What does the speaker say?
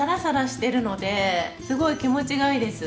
すごい気持ちがいいです。